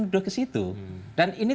tutup tahanor prgin bisa